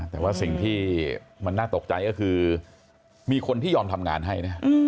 แต่ว่าสิ่งที่มันน่าตกใจก็คือมีคนที่ยอมทำงานให้นะ